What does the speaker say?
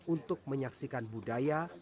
untuk menyaksikan budaya